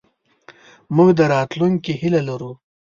موږ د راتلونکې هیله لرو.